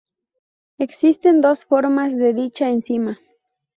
Existen dos formas de dicha enzima.